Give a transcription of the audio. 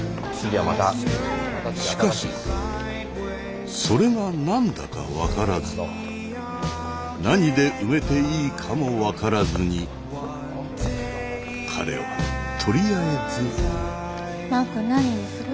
しかしそれが何だか分からず何で埋めていいかも分からずに彼はとりあえず。まーくん何にする？